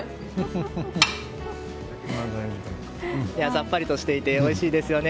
さっぱりとしていておいしいですよね。